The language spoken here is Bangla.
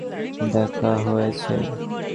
জ্যোতিবাবুর কন্যার সঙ্গে আমার দেখা হয়েছে।